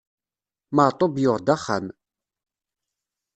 Maɛṭub yuɣ-d axxam.